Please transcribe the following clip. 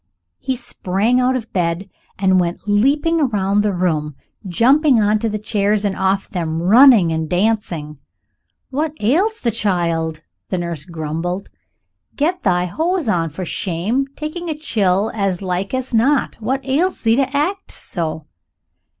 He sprang out of bed and went leaping round the room, jumping on to chairs and off them, running and dancing. "What ails the child?" the nurse grumbled; "get thy hose on, for shame, taking a chill as like as not. What ails thee to act so?"